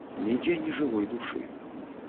Нідзе ні жывой душы.